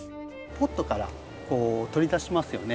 ポットからこう取り出しますよね。